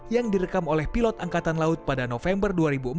yang direkam oleh pilot angkatan laut pada november dua ribu empat